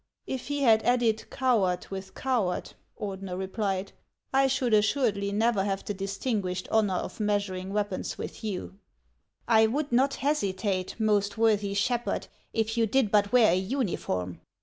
" If he had added, ' Coward with coward,' " Ordener replied, " I should assuredly never have the distinguished honor of measuring weapons with you." HANS OF ICELAND. 61 " I would not hesitate, most worthy shepherd, if you did but wear a uniform."